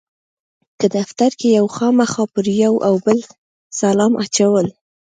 که دفتر کې یو خامخا پر یو او بل سلام اچوو.